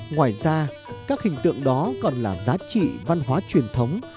ngoài ra các hình tượng đó còn là giá trị văn hóa truyền thống